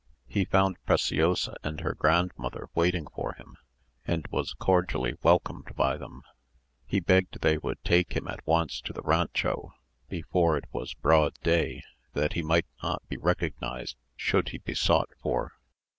He found Preciosa and her grandmother waiting for him, and was cordially welcomed by them. He begged they would take him at once to the rancho, before it was broad day, that he might not be recognised should he be sought for.